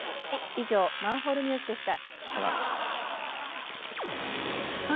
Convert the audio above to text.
以上「マンホールＮＥＷＳ」でした。